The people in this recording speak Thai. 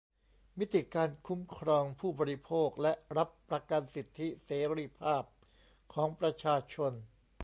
มิติการคุ้มครองผู้บริโภคและรับประกันสิทธิเสรีภาพของประชาชน